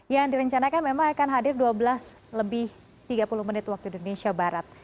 yang direncanakan memang akan hadir dua belas lebih tiga puluh menit waktu indonesia barat